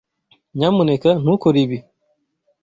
Nyamuneka ntukore ibi.